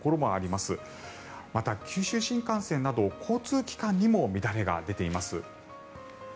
また、九州新幹線など交通機関にも乱れが出ています。